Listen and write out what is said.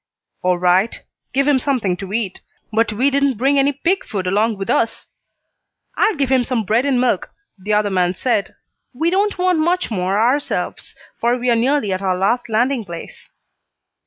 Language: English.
"All right. Give him something to eat, but we didn't bring any pig food along with us." "I'll give him some bread and milk," the other man said. "We won't want much more ourselves, for we are nearly at our last landing place."